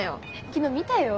昨日見たよ。